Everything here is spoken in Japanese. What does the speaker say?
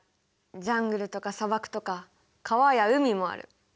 ジャングルとか砂漠とか川や海もある。